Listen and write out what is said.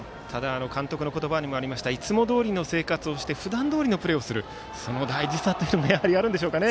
監督の言葉にもありましたいつもどおりの生活をして普段どおりのプレーをするという大事さもあるんでしょうかね。